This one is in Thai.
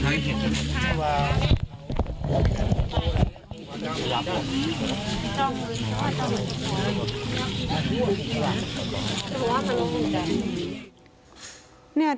พันธุ์ประกาศ